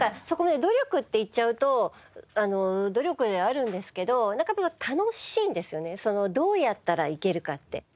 そこを努力って言っちゃうと努力ではあるんですけどなんかでも楽しいんですよねどうやったらいけるかって。